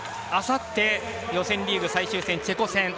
あさって、予選リーグ最終戦チェコ戦。